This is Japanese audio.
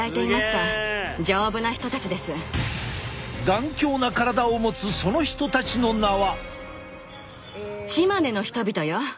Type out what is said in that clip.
頑強な体を持つその人たちの名は。